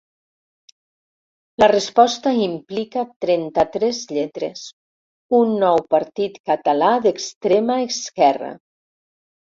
La resposta implica trenta-tres lletres: “Un nou partit català d'extrema esquerra”.